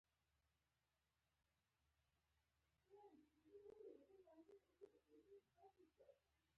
کوم تکليف چې درنه بل انسان ته رسي